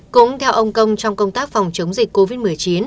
cũng theo ông công trong công tác phòng chống dịch covid một mươi chín